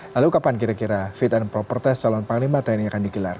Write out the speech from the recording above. lalu kapan kira kira fit and proper test calon panglima tni akan digelar